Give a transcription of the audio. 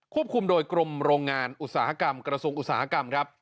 คุมโดยกรมโรงงานอุตสาหกรรมกระทรวงอุตสาหกรรมครับ